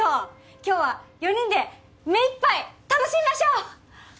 今日は４人で目いっぱい楽しみましょう！